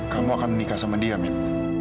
kamu akan menikah sama dia min